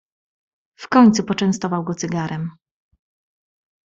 "W końcu poczęstował go cygarem."